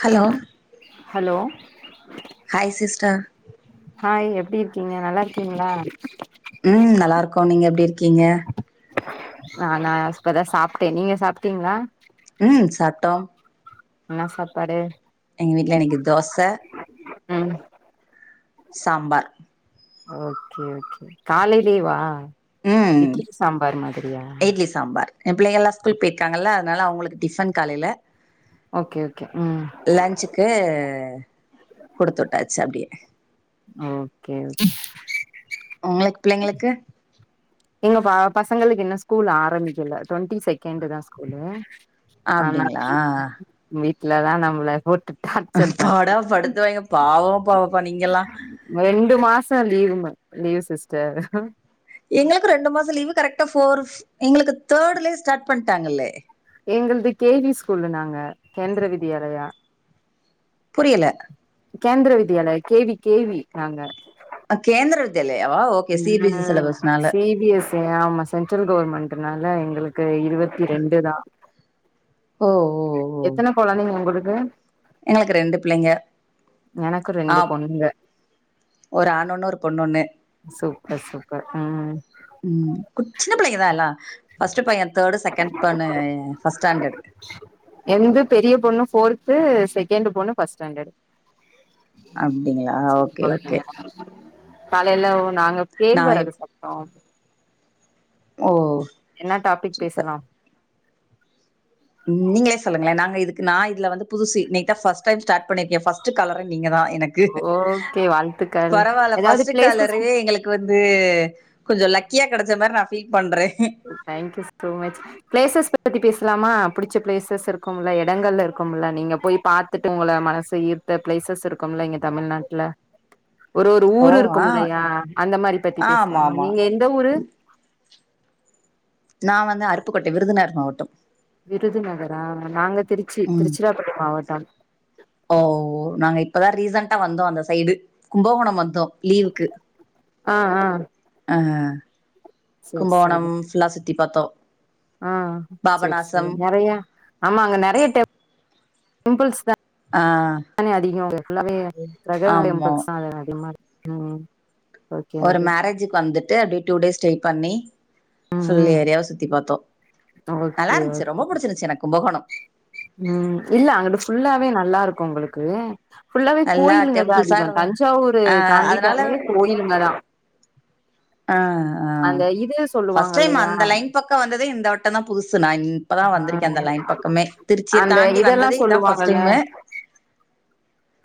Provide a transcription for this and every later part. Hello hello hi sister hi எப்டி இருக்கீங்க நல்லா இருக்கீங்களா ம் நல்லா இருக்கோ நீங்க எப்டி இருக்கீங்க நான்னா இப்பதா சாப்ட்டே நீங்க சாப்ட்டீங்களா ம் சாப்ட்டோ என்ன சாப்பாடு எங்க வீட்ல இனைக்கு தோச ம் சாம்பார் ஓகே ஓகே காலையிலவா இட்லி சாம்பார் மாதிரியா இ சாம்பார் என் பிள்ளைங்கல்லா ஸ்கூல் போயிருக்காங்கல்ல அதனால அவங்களுக்கு ட டிபன் காலையில ஓகே ஓகே ம் லன்சுக்கு குடுத்து விட்டாச்சு அப்டின்னு ஓகே ஓகே உங்களுக்கு பிள்ளைங்களுக்கு எங்க பசங்களுக்கு இன்னு ஸ்கூல் ஆரம்பிக்கல டுவெண்ட்டி செகண்ட தா ஸ்கூலு ஆமா அப்டிங்களா வீட்லதா நம்மள போட்டு டார்ச்சல் பண் பாடா படுத்து வாங்க பாவ பாவப்பா நீங்க எல்லா ரெண்டு மாச லீவுங்க லீவு சிஸ்டர் எங்குளுக்கு ரெண்டு மாசம் லீவ்வு கரெக்டா ஃபோர் எங்குளுக்கு தேர்ட்லயே ஸ்டார்ட் பண்ணிட்டாங்கல்லே எங்ளுது கேவி ஸ்கூல்ல நாங்க கேந்தர வித்யாலயா புரியல கேந்தர வித்யாலய கேவி கேவி நாங்க Kendriya Vidyalaya okay C B S C ம் சிலபஸ்னால சிபிஎஸ் ஆமா சென்ட்ரல் கவர்மெண்ட்னால எங்ளுக்கு இருவத்தி ரெண்டு தா ஓ ஓ எத்தன கொழந்தைங்க உங்குளுக்கு எனக்கு ரெண்டு பிள்ளைங்க எனக்கு ரெண்டு ஆப் பொண்ணுங்க ஒரு ஆனொன்னு ஒரு பொண்ணொன்னு சூப்பர் சூப்பர் ம் ம் கொச் சின்ன பிள்ளைகதா எல்லான் ஃபர்ஸ்ட் பையன் தேர்டு செகண்ட் பொண்ணு ஃபர்ஸ்ட் ஸ்டாண்டர்ட்டு என்து பெரிய பொண்ணு ஃபோர்த்து செகண்ட் பொண்ணு ஃபஸ்ட் ஸ்டாண்டர்ட் அப்டிங்களா ஓகே ஓகே காலையில நாங்க நா கேள்வரகு சாப்டோ ஓ என்னா டாபிக் சூப்பர் பேசலாம் நீங்களே சொல்லுங்களே நாங்க இதுக்கு நா இதுல வந்து புதுசு இன்னைக்கு ஃபஸ்ட் டைம் ஸ்டார்ட் பண்ணிருக்கே ஃபர்ஸ்ட் காலரே நீங்க தா எனக் கு ஓகே வாழ்த்துக்கள் பரவாயில்ல ஏதாவது ஃபஸ்ட்டு பிளேசஸ் காலரே எங்ளுக் கு வந்து கொஞ்ச லக்கியா கெ டச்ச மார் நா பீல் பண்றே தேங்க்யூ சோ மச் ப்ளேசஸ் பத்தி பேசலாமா பிடிச்ச ப்ளேசஸ் இருக்கும்ல்ல எடங்கள்ல இருக்கும்ல நீங்க போய் பாத் பதுட்டு உங்கள மனச ஈர்த்த ப்ளேசஸ் இருக்கும்ல இங்க தமிழ்நாட்டுல ஒரு ஒரு ஓ ஊரு ஆ இருக்கும் இல்லையா அந்த மாரி பத்தி ஆமா பேசலாம் ஆமா நீங்க எந்த ஊரு நா வந்து அருப்புக்கோட்டை விருதுநகர் மாவட்டம் விருதுநகரா நாங்க திருச்சி ம் திருச்சிராப்பள்ளி மாவட்டம் ஓ நாங்க இப்பதா ரீசண்டா வந்தோ அந்த சைடு கும்பகோண வந்தோ லீவுக்கு ஆ ஆ அம் சேரி கும்போணம் ஃபுல்லா சுத்தி பாத்தோ ஆன் செரி செரி நெறையா ஆமா அங்க டெம் பிள்ஸ்லா ஆ லா அதிகமாவே ஃபுல்லாவே கிரக ஆமா. டெம்பிள்ஸ் தா அத அதிகமா இருக்கு ம் ஓகே ஒரு ஓகே மேரேஜுக்கு வந்துட்டு அப்டியே ட்உ டேஸ் ஸ்டே பண்ணி ம் ஃபுல் ம் ஏரியாவு சுத்தி பாத்தோ நல்லா ஓகே இருந்துச்சு ஓகே ரொம்ப புடிச்சிருந்துச்சு எனக் புடிச்சிருந்துச்சு கும்பகோணம் ம் இல்ல அங்கிட்டு ஃபுல்லாவே நல்லா இருக்குன் உங்களுக்கு ஃபுல்லாவே நல்லா கோயிலுங்கதா டெம்பிள்ஸா அதிக இரு தஞ்சாவூர் ஆ அதனால தாண்டினாலே கோயிலுங்க தா ஆ ஆன் அந்த இது சொல்லுவாங்க ஃபஸ்ட் டைம் இல்லையா அந்த லைன் பக்கம் வந்ததே இந்த வட்டந்தான் புதுசு நா இப்பதான் ஆ வந்திருக்கேன் அந்த லைன் பக்கமே திருச்சிய அந்த தாண்டி இதெல்லா வந்ததே இதா சொல்லுவாங்கல்ல ஃபஸ்ட்டைமு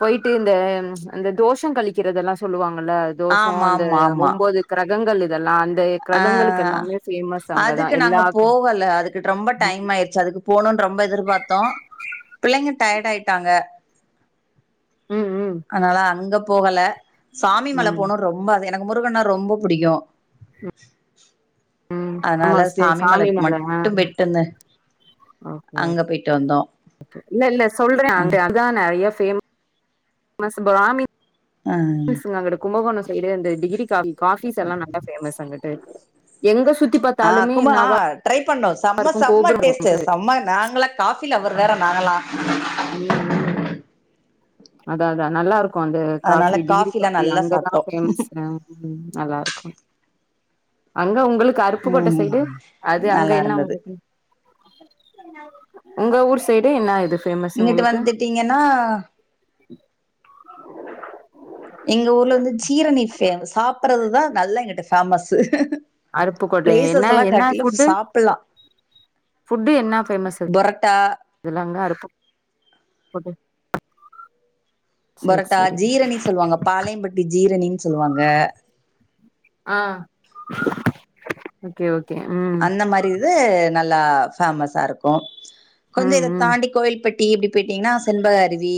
போயிட்டு இந்த அந்த தோஷம் கழிக்கிறதல்லா சொல்லுவாங்கல்ல தோஷோ அந்த ஆமாமாமா. ஒம்போது கிரகங்கள் இதெல்லாம் அந்த அ கிரகங்களுக்கு அ எல்லாமே ஃபேமஸ் அங்கதா அதுக்கு நாங்க எல்லா க போவல அதுக்கு ரொம்ப ம் டைம் ஆய் ச்சு அதுக்கு போணோன் ரொம்ப எதிர்பார்த்தோ பிள்ளைங்க டையடாயிட்டாங்க ம் அதனால அங்க போகல சாமி மல ம் போனோ ரொம் ப அது எனக்கு முருகன்னா ரொம்ப புடிக்கூ ம் ஆமா அதனால சே சாமி சாமிமலைக் மேல ஆ மட்டூ பெய்ட்டு வந்தோ அங்க பேய்ட்டு வந்தோ இன்னூ இல்ல சொல்றோ அ அங்க அதா நெறய ஃபே மஸ் பாமி ஆ ஸ் அங்குட்டு கும்பகோணம் சைடு அந்த டிகிரி காஃபி காஃபிஸ்ல்லா நல்லா ஃபேமஸ் அங்கிட்டு எங்க சுத்தி பாத்தாலுமே நா வா ட்ரைப்பண்ணோ செம செம டேஸ்ட்டு செம நாங்களா காஃபி லவர் வேற நாங்களா ம் ம் அதாதா நல்லாருக் கு அந்த அதனால காஃபி டிகிரி காஃபிலா காஃபி நல்லா அங்கதா சாப்ட்டோ ஃபேமஸ் ம் ம் நல்லாருக்கூ அங்க ஒங்குளுக்கு அருப்புக்கோட்ட சைடு ம் அது அங்க நல்லா என்ன இருந்தது ஒங்களுக்கு உங்க ஊர் சைடு என்னா இது ஃபேமஸ் இங்கிட்டு உங்களுக்கு வந்துட்டீங்கன்னா எங்க ஊர்ல வந்து ஜீரநீர் ஃபேமஸ் சாப்பறதுதா நல்ல இங்கிட்டு ஃபேமஸு அருப்புக்கோட்டை என்ன ப்ளேசஸ்லா என்ன காட்டிலூ சாப்பட்லா ஃபுட்டு் என்னா ஃபேமஸு பொர்ட்டா இதுலாந்தாருக் ஃபுட்டு பொரோட்டா ஜீரணி சொல்லுவாங்க பாளையம்பட்டி ஜீரணி சொல்லுவாங்க அ ஓகே ஓகே ம் இந்த மாதிரி இது நல்லா ஃபேமஸாருக்கூ கொஞ்சொ ம் இத ம் தாண்டி கோவில் பட் டி இப்டி பேயிட்டீங்ன்னா சென்பக அருவி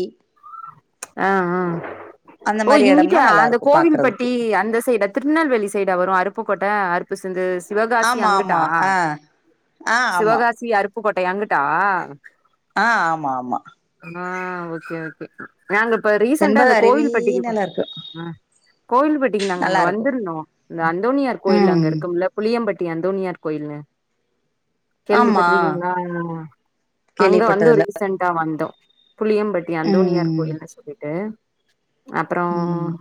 அ அ அந்த ஓ மாரி இங்கிட்டா இடம்லாம் நல்லா அந்த இருக்கும் கோவில்பட்டி பாக்குறதுக்கு. அந்த சைடு திருநெல்வேலி சைடா வரூ அருப்புக்கோட்ட அர் சிந்து சிவகாசி ஆமா, அங்குட்டா ஆமா. ஆ, ஆ ஆமா. சிவகாசி அருப் புக்கோட்டை அங்குட்டா அ ஆமா ஆமா நா ஓகே ஓகே நாங்க இப்ப ரீசன்டா செண்பக இந்த அருவி கோவில்பட்டிக்கி நல்லா இருக்கு. அ கோயில்பட்டிக்கி நாங்க நல்லா அங்க இருக்கும். வந்துருந்தோ இந்த அந்தோனியார் கோயில் ம். அங்க இருக்கும்ல்ல புளியம்பட்டி அந்தோனியார் கோயில்ன்னு ஆமா கேள்விப்பட்டிருக்கீங்களா அங்க வந்து கேள்விப்பட்டதில்ல. ரீசண்ட்டா வந்தோ புளியம்பட் ந்தோனியார் ம். கோயில்ன்னு சொல்லிட்டு அப்புறோ ம்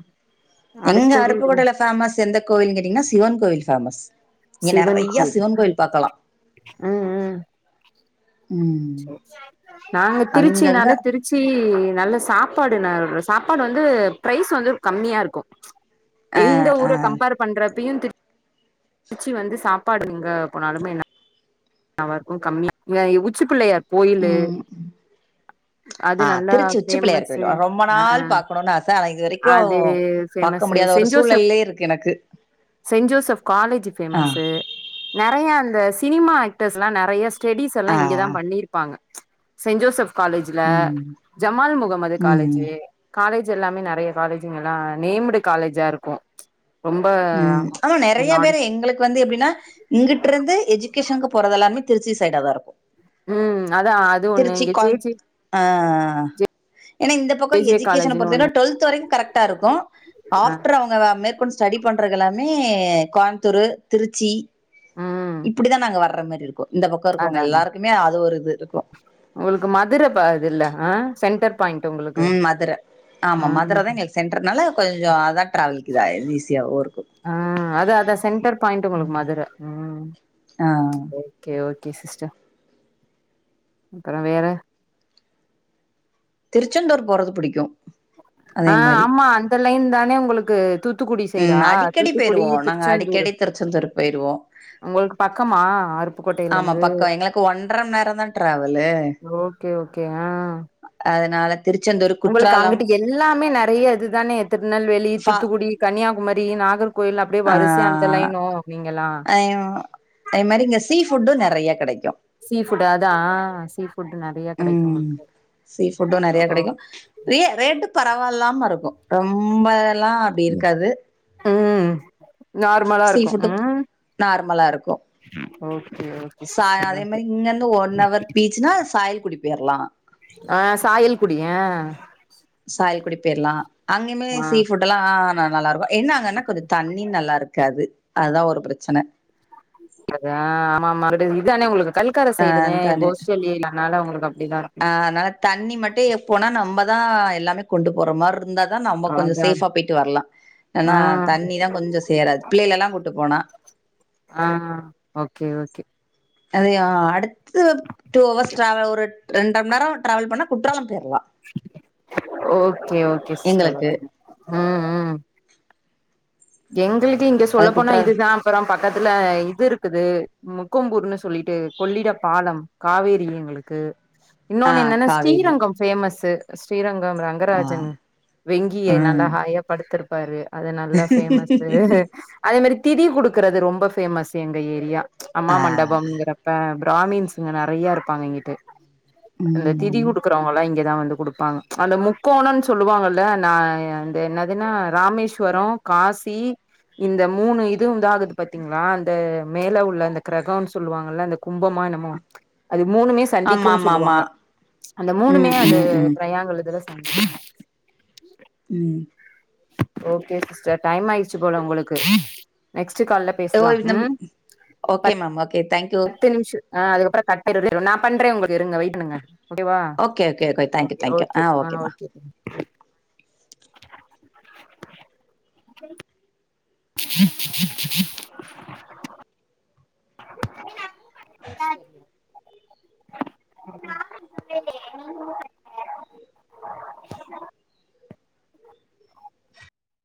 எங்க அடுத்தது இது, அருப்புக்கோட்டையில ஃபேமஸ் எந்த கோவில் கேட்டீங்கன்னா சிவன் கோவில் ஃபேமஸ் இங்க சிவன் நெறைய கோயில் சிவன் பாக்கலா ம் ம் ம் நாங்க அங்கங்க திருச்சினால திருச் ச்சி நல்ல சாப்பாடு ந சாப்பாடு வந்து ப்ரைஸ் வந்து கம்மியாயிருக்கூ ஆ எந்த ஆ ஊர கம்பேர் பண்றப்பையூ திரு திரூச்சி வந்து சாப்பாடுங்க எஙக போனாலுமே ந ல்லாருக்கூ கம்மியா ய உச்சி புள்ளையார் ம் அது அ நல்லா திருச்சி உச்சி புள்ளையார் ஃபேமஸு கோயில் ரொம்ப ஆ நாள் பாக் குணுன் ஆச ஆனா இதுவரைக்கூ அது பாக்க ஃபேமஸு முடியாத ஒரு சென்ட் ஜோசப் சூழல்லே இருக்கு எனக்கு சென்ட் ஜோசப் காலேஜி ஆ ஃபேமஸு நெறய அந்த சினிமா ஆக்டர்ஸ்ல்லா நெறய ஸ்டடிஸ் எல்லா ஆ இங்கதா பண்ணிருப்பாங்க செயின்ட் ஜோசப் காலேஜ்ல ம் ஜமால் முகமது காலேஜ் ம் காலேஜ் எல்லாமே ந நெறைய காலேஜுங்க எல்லா நேம்டு காலேஜா இருக்கும் ம் ஆமா நெறைய பேரு எங்களுக்கு வந்து எப்டினா இங்குட்டுருந்து எஜிகேஷனுக்கு போறது எல்லாமே திருச்சி சைடா தா இருக்கும் ம் அதா அது ஒண்ணு திருச்சி இங்க ஜே கோயம் ஜே அ அ அ ஏன்னா இந்த ஜே பக்கம் ஜே எஜிகேஷன காலேஜ்ன்னு பொருத்த ஒண்ணு வர டுவெல்த்து வரைக்கும் கரெக்டா இருக்கும் அ ஆஃப்டர் அவுங்க மேற்கொண்டு படிப் பண்றது எல்லாமே கோயம்புத்தூரு திருச்சி ம் இப்படிதா நாங்க வர்ற மாரி இருக்கும் இந்த பக்கம் அதா இருக்கவுங்க அதா எல்லாருக்குமே அது ஒரு இது இருக்கும் உங்களுக்கு மதுர ப இது இல்ல அ சென்டர் பாயிண்ட் உங்களுக்கு ம் மதுர ஆ ஆமா மதுர தா எ சென்டர்னால கொஞ்சம் அதான் ட்ராவலுக்கு இதா ஈஸியாவும் இருக்கும் ஆ அதா அதா சென்டர் பாயிண்ட் உங்களுக்கு மதுர ம் ஆ ஓகே ஓகே சிஸ்டர் அப்பறம் வேற திருச்செந்தூர் போறது புடிக்கும் ஆ ஆமா அந்த லைன் தானே உங்களுக்கு தூத் தூத்துக்குடி சைடா ம் அடிக்கடி தூத்துக்குடி போயிருவோ நாங்க திருச்செந்தூரு அடிக்கடி திருச்செந்தூர் போயிருவோ உங்களுக் பக்கமா அருப்புக்கோட்டையில ஆமா இருந்து பக்கம் எங்களுக்கு ஒன்றரை மணி நேரம் தா டிராவலு ஓகே ஓகே ஆ அதனால திருச்செந்தூரு கு க்க அங்குட்டு எல்லாமே நெறைய இதுதானே திருநெல்வேலி ஃபா தூத்துக்குடி கன்னியாகுமரி நாகர் கோயில் அப்டியே வரிசையா அந்த ஆ லைனோ நீங்க எல்லா [unintelligible] அது மாரி இங்க சீ ஃபுட்டும் நெறைய கெடைக்கும் சீ ஃபுட் அதான் சீ ஃபுட் நெறைய கெடைக்கும் ம் உங்களுக்கு சீ ஃபுட்டு நெறைய ஓ கெடைக்கு ரே ரேட்டும் பரவாயில்லாம இருக்கும் ரொம்ப இதெல்லா அப்டி இருக்காது ம் நார்மலா சீ இருக்கும் ஃபுட்டு ம் நார்மலா இருக்கும் ஓகே ஓகே சா சிஸ்டர் அதே ஓகே மாரி இங்க இருந்து ஒன் அவர் பீச்சுனா சாயல்குடி போய்ரலாம் ஆ சாயல்குடி அ சாயல்குடி பேயிர்லா அங்கயுமே ஆ சீ ஃபுட் எல்லா நல்லா இருக்கும் என்ன அங்கன்னா கொஞ்சம் தண்ணி நல்லா இருக்காது அதுதா ஒரு பிரச்சன அது அ ஆமா ஆமா அந்த இதானே உங்களுக்கு கல்கர சைடு அ தனே தண்ணி கோஷ்செல் ஏரியா அதனால உங்களுக்கு அப்டி தா இருக் ஆ அதனால தண்ணி மட்டும் எப்போனா நம்மதா எல்லாமே கொண்டு போற மார் இருந்தா தான் நம்ம கொஞ்சோ அதா சேஃபா பேய்ட்டு வர்லாம் ஏனா ஆ தண்ணிதா கொஞ்சம் சேராது பிள்ளையிலலா கூட்டு போனா ஆ ஓகே ஓகே அத ஆ அடுத்து டூ ஹவர்ஸ் ட்ராவல் ஒரு ரெண்ட்ர மணி நேரம் டிராவல் பண்ணா குற்றாலம் பேயிர்லாம் ஓகே ஓகே சிஸ்டர் எங்களுக்கு ஓகே ம் ம் எங்களுக்கே இங்க அது சொல்ல போனா குற்றா இதுதா அப்புறம் பக்கத்துல இது இருக்குது முக்கொம்பூர்ன்னு சொல்லிட்டு கொள்ளிட பாலம் காவேரி எங்களுக் க்கு ஆ இன்னொன்னு என்னன்னா காவேரி ஸ்ரீரங்கம் பேமஸு ஸ்ரீரங்கம் ஆ ரங்கராஜன் வெங்கியை நல்லா ம் ஹாயாக படுத்திருப்பாரு அது நல்ல பேமஸு அதே மாரி திதி குடுக்குறது ரொம்ப பேமஸ் எங்க ஏரியா அம்மா ஆ மண்டபம்ங்கிறப்ப பிராமின்ஸ்ங்க நெறைய இருப்பாங்க இங்கிட்டு இந்த திதி ம் குடுக்குறவங்க எல்லா இங்கதா வந்து குடுப்பாங்க அந்த முக்கோணோன்னு சொல்லுவாங்கல்ல நா என்னதுன்னா ராமேஷ்வரோ காசி இந்த மூணு இதுவுந்தா அதுக்கு பாத்தீங்களா அந்த மேல உள்ள அந்த க்ரகம்னு சொல்லுவாங்கல்ல அந்த கும்பமா என்னமோ அது மூணுமே ஆமா சந்திக்கும்னு ஆமா ஆமா சொல்லுவாங்க அந்த மூணுமே ம் அது ம் ம் ட்ரயாங்கல் இதுல சந் ம் ஓகே சிஸ்டர் டைம் ஆயிடுச்சு போல உங்களுக்கு நெக்ஸ்டு கால்ல பேசலா ம் [unintelligible] ஓகே மேம் ஓகே தேங்க் பத்து நிம்ஷோ ஆ அதுக்கப்றோ கட்டாயிரு நா பண்றே உங்களுக்கு இருங்க வெயிட் பண்ணுங்க ஓகேவா okay okay thank you okay thank you okay ஆ மேம் ஓகே நா நீ